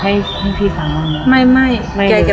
ให้พี่ฝังมาก